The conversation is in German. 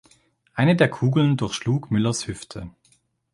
Eine der Kugeln durchschlug Müllers Hüfte.